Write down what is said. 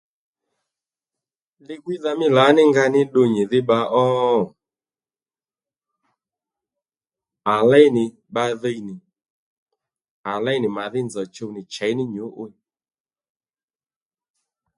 Li-gwíydha mí lǎní nga ní ddu nyìdhí bba ó? À léy nì bba dhiy nì à léy nì màdhí nzòw chuw nì chěy ní nyǔ'wiy